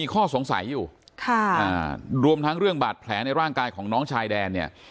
ข้อสงสัยอยู่รวมทั้งเรื่องบาดแผลในร่างกายของน้องชายแดนเนี่ย